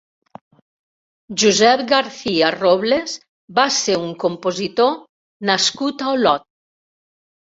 Josep Garcia Robles va ser un compositor nascut a Olot.